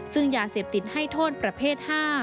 ซึ่งยาเสพติดให้โทษประเภท๕